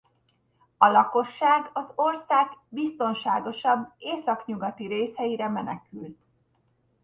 A lakosság az ország biztonságosabb északnyugati részeire menekült.